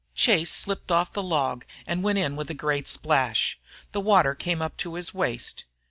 Chase slipped off the log and went in with a great splash. The water came up to his waist.